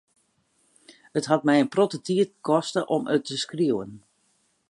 It hat my in protte tiid koste om it te skriuwen.